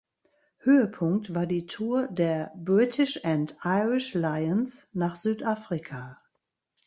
Höhepunkt war die Tour der British and Irish Lions nach Südafrika.